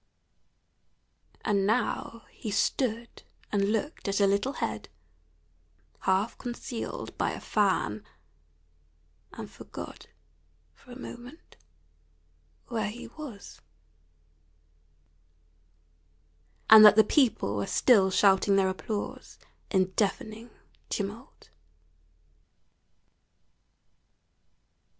And now he stood and looked at a little head half concealed by a fan, and forgot for a moment where he was, and that the people were still shouting their applause in deafening tumult.